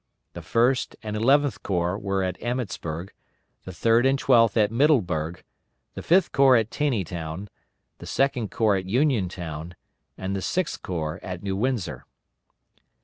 The First and Eleventh Corps were at Emmetsburg, the Third and Twelfth at Middleburg, the Fifth Corps at Taneytown, the Second Corps at Uniontown, and the Sixth Corps at New Windsor.